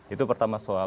itu pertama soal